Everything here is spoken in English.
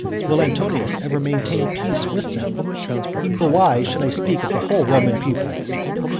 will Antonius ever maintain peace with them? For why should I speak of the whole Roman people?